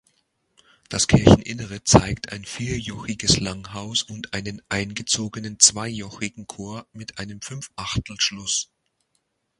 Das Kircheninnere zeigt ein vierjochiges Langhaus und einen eingezogenen zweijochigen Chor mit einem Fünfachtelschluss.